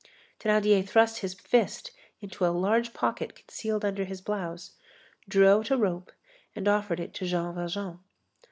Thénardier thrust his fist into a large pocket concealed under his blouse, drew out a rope and offered it to Jean Valjean.